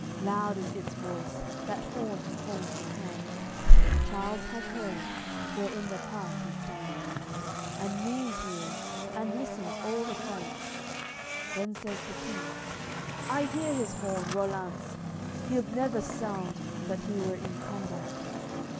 Loud is its voice, that horn he holds in hand; Charles hath heard, where in the pass he stands, And Neimes hears, and listen all the Franks. Then says the King: "I hear his horn, Rollant's; He'ld never sound, but he were in combat."